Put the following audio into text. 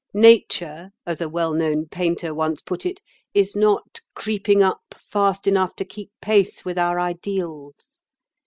"Nature, as a well known painter once put it, is not 'creeping up' fast enough to keep pace with our ideals.